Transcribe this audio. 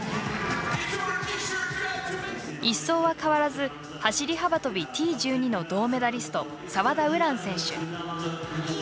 １走は変わらず走り幅跳びＴ１２の銅メダリスト澤田優蘭選手。